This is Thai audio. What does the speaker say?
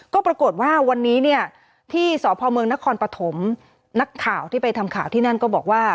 ก็ปรากฏว่าวันนี้เนี่ยที่สพเมืองนครปฐมนักข่าวที่ไปทำข่าวที่นั่นก็บอกว่า